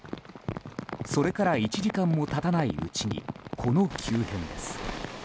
それから１時間も経たないうちにこの急変です。